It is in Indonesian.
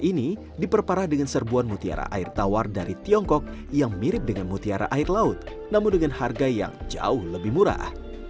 ini diperparah dengan serbuan mutiara air tawar dari tiongkok yang mirip dengan mutiara air laut namun dengan harga yang jauh lebih murah